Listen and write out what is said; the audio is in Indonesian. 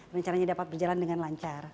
dan caranya dapat berjalan dengan lancar